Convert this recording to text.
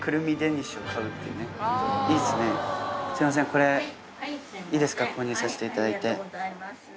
これいいですか購入させていただいて。